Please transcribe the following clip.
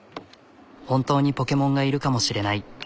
本当にポケモンがいるかもしれない。